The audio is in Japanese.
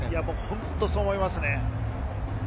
本当にそう思いますね。